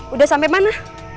udah sampe mana